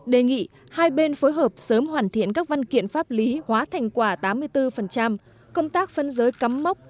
đề nghị hai bên phối hợp sớm hoàn thiện các văn kiện pháp lý hóa thành quả tám mươi bốn công tác phân giới cắm mốc